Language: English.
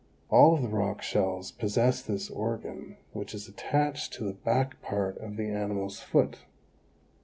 All of the rock shells possess this organ, which is attached to the back part of the animal's foot.